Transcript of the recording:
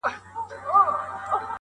ساقي نن مي خړوب که شپه تر پایه مستومه،